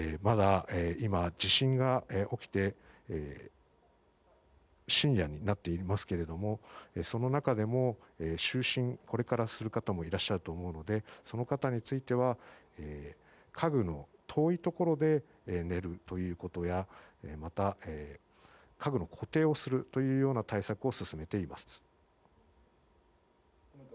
地震が起きて深夜になっていますけどもその中でもこれから就寝する方もいると思いますのでその方については家具の遠いところで寝るということやまた、家具の固定をするような対策を進めています。